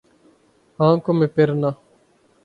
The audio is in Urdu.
آنکھوں میں پھرنا